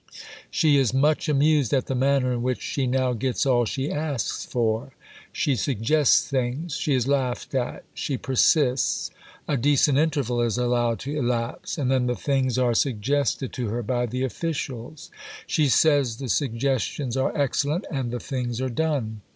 She is "much amused at the manner in which she now gets all she asks for." She suggests things. She is laughed at. She persists. A decent interval is allowed to elapse; and then the things are suggested to her by the officials; she says the suggestions are excellent, and the things are done.